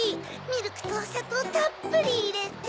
ミルクとおさとうたっぷりいれて。